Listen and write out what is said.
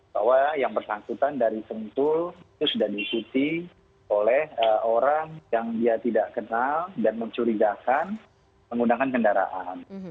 bahwa yang bersangkutan dari sentul itu sudah diikuti oleh orang yang dia tidak kenal dan mencurigakan menggunakan kendaraan